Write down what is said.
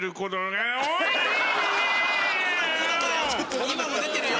今も出てるよ！